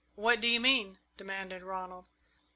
"What do you mean?" demanded Ronald.